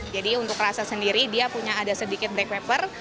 jadi untuk rasa sendiri dia punya ada sedikit black pepper